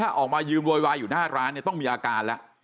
ถ้าออกมายืมโยยวายอยู่หน้าร้านต้องมีอาการ